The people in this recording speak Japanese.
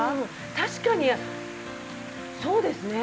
確かにそうですね。